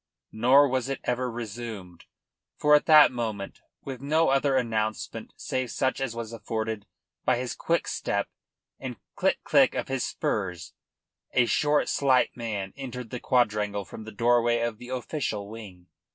Nor was it ever resumed, for at that moment, with no other announcement save such as was afforded by his quick step and the click click of his spurs, a short, slight man entered the quadrangle from the doorway of the official wing.